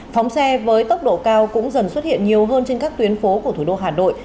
phóng xe với tốc độ cao cũng dần xuất hiện nhiều hơn trên các tuyến phố của thủ đô hà nội